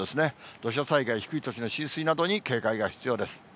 土砂災害、低い土地の浸水などに警戒が必要です。